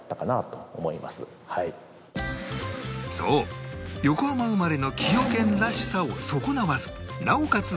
そう横浜生まれの崎陽軒らしさを損なわずなおかつ